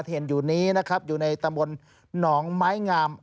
เห็นอยู่นี้นะครับอยู่ในตำบลหนองไม้งาม